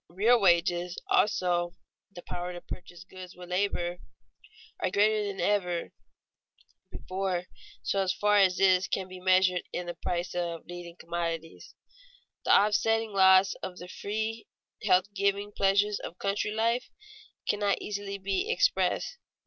[Sidenote: Changes in real wages] Real wages, also, the power to purchase goods with labor, are greater than ever before so far as this can be measured in the price of leading commodities. The offsetting loss of the free health giving pleasures of country life cannot easily be expressed.